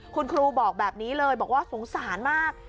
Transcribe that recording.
คุณครูบอกแบบนี้เลยบอกว่าสงสารมาก